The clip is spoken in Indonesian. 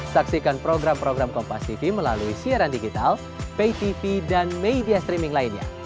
saksikan program program kompastv melalui siaran digital paytv dan media streaming lainnya